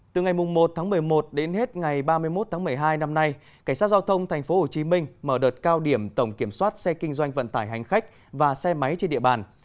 từ ngày một tháng một mươi một đến hết ngày ba mươi một tháng một mươi hai năm nay cảnh sát giao thông tp hcm mở đợt cao điểm tổng kiểm soát xe kinh doanh vận tải hành khách và xe máy trên địa bàn